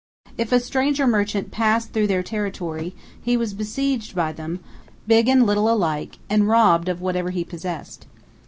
If a stranger merchant passed through their territory, he was besieged by them all, big and little alike, and robbed of whatever he possessed.